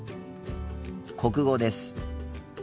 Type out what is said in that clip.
国語です。